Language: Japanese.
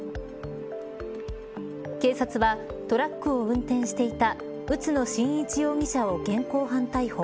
警察は、トラックを運転していた宇都野晋一容疑者を現行犯逮捕。